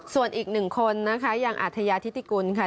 ส่วนอีกหนึ่งคนนะคะอย่างอัธยาธิติกุลค่ะ